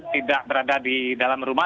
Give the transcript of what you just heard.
tidak berada di dalam rumah